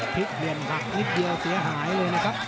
เหลี่ยมหักนิดเดียวเสียหายเลยนะครับ